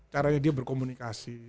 caranya dia berkomunikasi